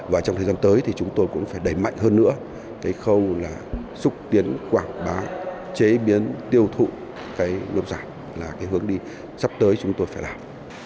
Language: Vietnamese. và trong thời gian tới thì chúng tôi cũng phải đẩy mạnh hơn nữa cái khâu là xúc tiến quảng bá chế biến tiêu thụ cái nông sản là cái hướng đi sắp tới chúng tôi phải làm